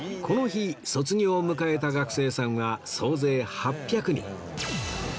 この日卒業を迎えた学生さんは総勢８００人